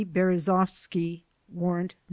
Beriezovski (Warrant No.